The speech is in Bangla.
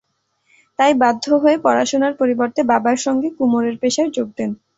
তাই বাধ্য হয়ে পড়াশোনার পরিবর্তে বাবার সঙ্গে কুমোরের পেশায় যোগ দেন।